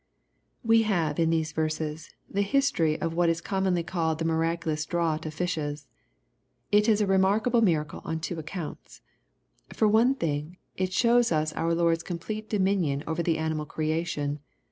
We have, in these verses, the history of what is commonly called the miraculous draught of fishes. It is a remarkable miracle on two accounts. — ^For one thing, it shows us our Lord's complete dominion over the animal creation.